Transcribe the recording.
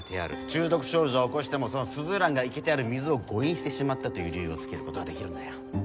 中毒症状を起こしてもその鈴蘭がいけてある水を誤飲してしまったという理由をつけることが出来るんだよ。